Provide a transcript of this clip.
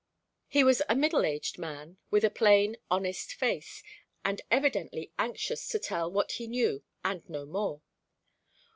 He was a middle aged man with a plain, honest face, and evidently anxious to tell what he knew and no more.